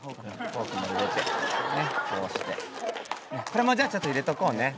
これもじゃあちょっと入れとこうね。